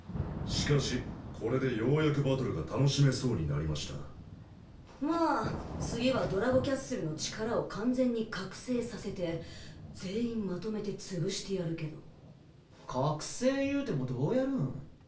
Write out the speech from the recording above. しかしこれでようやくバトルが楽しめそうになりましたまあ次はドラゴキャッスルの力を完全に覚醒させて全員まとめて潰してやるけど覚醒ゆーてもどうやるん？